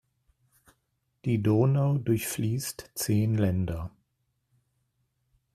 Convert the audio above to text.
Die Donau durchfließt zehn Länder.